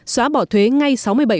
xóa bỏ thuế ngay sáu mươi bảy